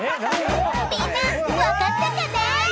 ［みんな分かったかな？］